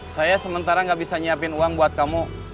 saya sementara gak bisa nyiapin uang buat kamu